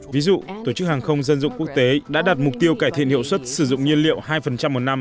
ví dụ tổ chức hàng không dân dụng quốc tế đã đặt mục tiêu cải thiện hiệu suất sử dụng nhiên liệu hai một năm